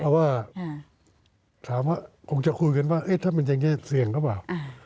เพราะว่าถามว่าคงจะคุยกันว่าถ้ามันอย่างนี้เสี่ยงหรือเปล่า